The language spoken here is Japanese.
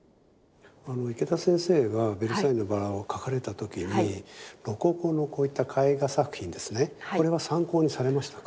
池田先生は「ベルサイユのばら」を描かれた時にロココのこういった絵画作品ですねこれは参考にされましたか？